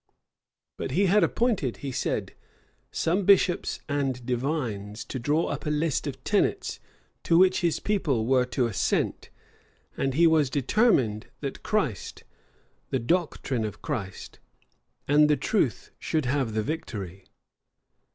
But he had appointed, he said, some bishops and divines to draw up a list of tenets to which his people were to assent; and he was determined, that Christ, the doctrine of Christ, and the truth, should have the victory.